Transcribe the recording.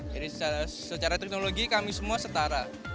jadi secara teknologi kami semua setara